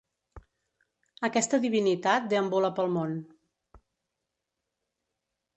Aquesta divinitat deambula pel món.